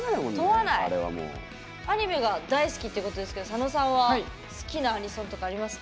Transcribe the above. アニメ大好きということですが佐野さんは好きなアニソンとかありますか？